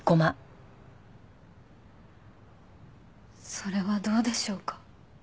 それはどうでしょうか。